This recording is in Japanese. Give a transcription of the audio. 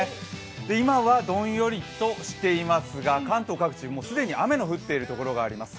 今はどんよりとしていますが関東各地既に雨の降っているところもあります。